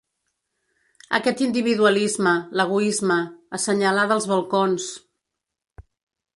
Aquest individualisme, l’egoisme, assenyalar dels balcons…